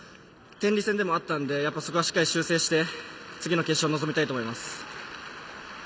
天理戦でもあったのでそこはしっかり修正して次の決勝に臨みたいと思います。